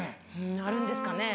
あるんですかね。